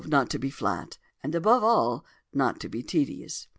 . not to be flat, and above all, not to be tedious."